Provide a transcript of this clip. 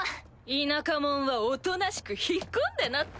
田舎者はおとなしく引っ込んでなって。